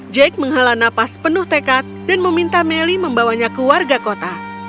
jake menghala nafas penuh tekat dan meminta melly membawanya ke warga kota